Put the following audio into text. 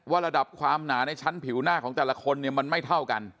ระดับความหนาในชั้นผิวหน้าของแต่ละคนเนี่ยมันไม่เท่ากัน